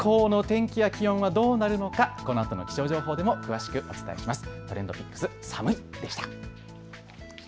あす以降の天気や気温はどうなるのか、このあとの気象情報でも詳しくお伝えします。